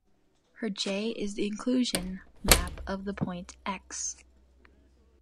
Here "j" is the inclusion map of the point "x".